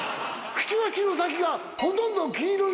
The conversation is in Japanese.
くちばしの先がほとんど黄色いのがカモメ。